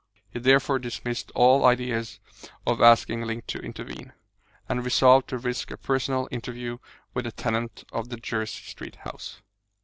He therefore dismissed all ideas of asking Link to intervene, and resolved to risk a personal interview with the tenant of the Jersey Street house.